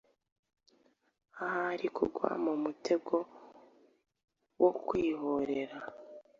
Æhari kugwa mu mutego wo kwihorera